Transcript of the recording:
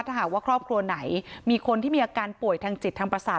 ถ้าหากว่าครอบครัวไหนมีคนที่มีอาการป่วยทางจิตทางประสาท